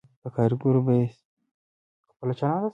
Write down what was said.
په کارګرو به یې ستر یادګاري څلي جوړول.